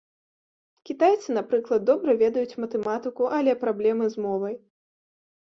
Кітайцы, напрыклад, добра ведаюць матэматыку, але праблемы з мовай.